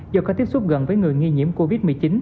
do có tiếp xúc gần với người nghi nhiễm covid một mươi chín